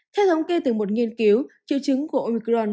theo thống kê từ một nghiên cứu triệu chứng của omron